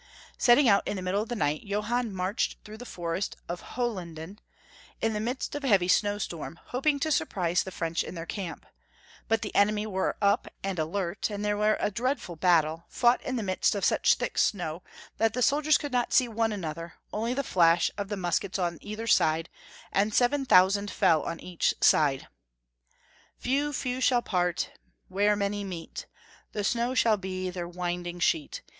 Setting out in the middle of the night, Johann marched through the forest of Hohenlinden, in the midst of a heavy snowstorm, hoping to sur prise the French in their camp; but the enemy were up and elert, and there was a dreadful battle, fought in the midst of such thick snow that the soldiers could not see one another, only the flash 434 Young Folks* Hutory of Q ermany. of the muskets on either side, and 7000 fell un each side. "Few, few shall part, where many meet I The snow shall be their winding sheet.